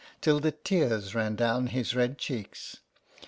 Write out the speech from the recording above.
77 till the tears ran down his red cheeks.